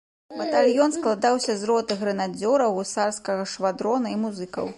Батальён складаўся з роты грэнадзёраў, гусарскага швадрона і музыкаў.